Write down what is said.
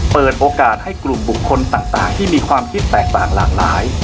เปิดโอกาสให้กลุ่มบุคคลต่างที่มีความคิดแตกต่างหลากหลาย